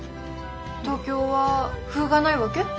東京は麩がないわけ？